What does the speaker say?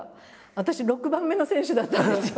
私６番目の選手だったんですよ。